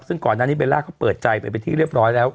ซึ่งก่อนหน้านี้เบลล่าเขาเปิดใจไปเป็นที่เรียบร้อยแล้ว